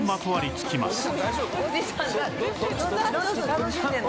「楽しんでるの？」